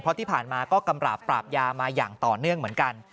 เพราะที่ผ่านมาก็กำราบปราบยามาอย่างต่อเนื่องเหมือนกัน